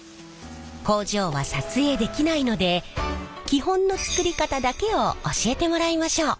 工場は撮影できないので基本の作り方だけを教えてもらいましょう。